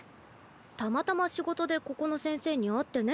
たまたま仕事でここの先生に会ってね。